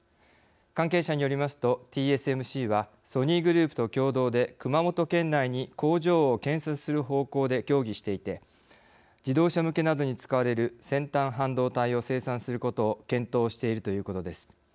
関係者によりますとＴＳＭＣはソニーグループと共同で熊本県内に工場を建設する方向で協議していて自動車向けなどに使われる先端半導体を生産することを検討しているということです。